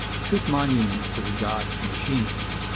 Fit monument for the god, machine.